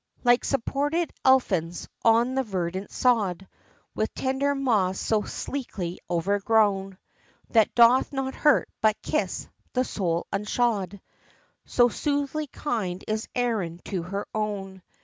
Like sportive Elfins, on the verdant sod, With tender moss so sleekly overgrown, That doth not hurt, but kiss, the sole unshod, So soothly kind is Erin to her own!